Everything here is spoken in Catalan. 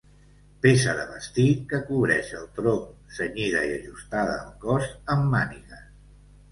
Peça de vestir que cobreix el tronc cenyida i ajustada al cos, amb mànigues.